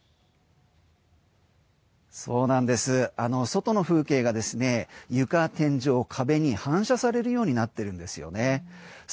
外の風景が床、天井、壁に反射されるようになっているんですね。